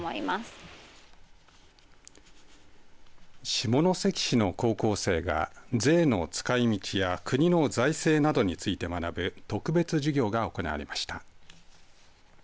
下関市の高校生が税の使いみちや国の財政などについて学ぶ特別授業が行われました。